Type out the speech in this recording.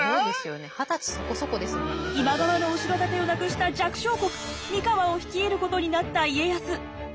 今川の後ろ盾をなくした弱小国三河を率いることになった家康。